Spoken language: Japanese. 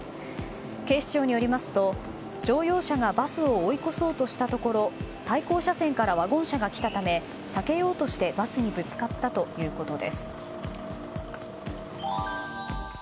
警視庁によりますと、乗用車がバスを追い越そうとしたところ対向車線からワゴン車が来たためさけようとしてバスにぶつかったということです。